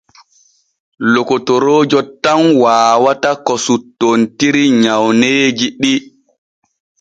Lokotoroojo tan waawata ko suttontiri nyawneeji ɗi.